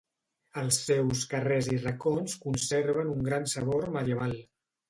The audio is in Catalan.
Els seus carrers i racons conserven un gran sabor medieval.